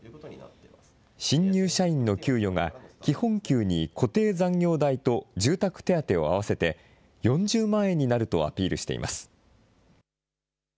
新入社員の給与が、基本給に固定残業代と住宅手当を合わせて、４０万円になるとアピールしています。